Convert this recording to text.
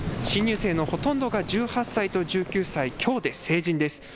新入生のほとんどが１８歳と１９歳、きょうで成人です。